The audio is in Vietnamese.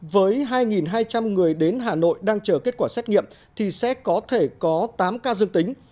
với hai hai trăm linh người đến hà nội đang chờ kết quả xét nghiệm thì sẽ có thể có tám ca dương tính